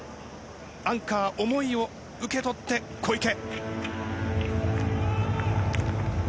アンカー思いを受け取って、小池。